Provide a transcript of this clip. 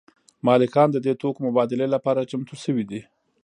مالکان د دې توکو مبادلې لپاره چمتو شوي دي